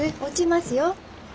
落ちますよ。